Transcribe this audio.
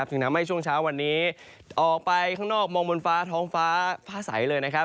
จึงทำให้ช่วงเช้าวันนี้ออกไปข้างนอกมองบนฟ้าท้องฟ้าผ้าใสเลยนะครับ